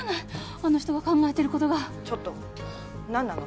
あの人が考えてることがちょっと何なの？